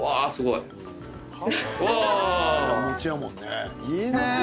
いいね！